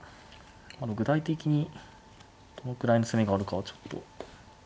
具体的にどのくらいの攻めがあるかはちょっと。